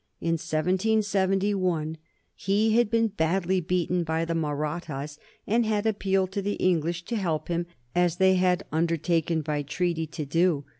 In 1771 he had been badly beaten by the Mahrattas and had appealed to the English to help him, as they had undertaken by treaty to do.